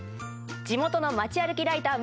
地元の街歩きライター